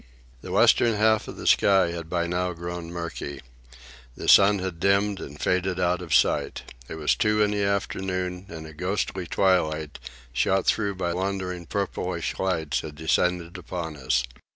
The western half of the sky had by now grown murky. The sun had dimmed and faded out of sight. It was two in the afternoon, and a ghostly twilight, shot through by wandering purplish lights, had descended upon us.